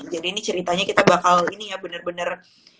jadi ini ceritanya kita bakal ini ya bener bener